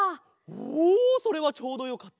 おそれはちょうどよかった。